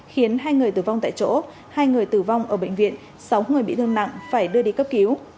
khiến hai người tử vong tại chỗ hai người tử vong ở bệnh viện sáu người bị thương nặng phải đưa đi cấp cứu